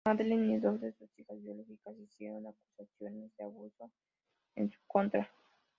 Madeline y dos de sus hijas biológicas hicieron acusaciones de abuso en su contra.